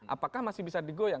apakah masih bisa digoyang